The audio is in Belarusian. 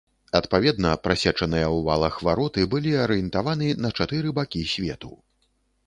Адпаведна, прасечаныя ў валах вароты былі арыентаваны на чатыры бакі свету.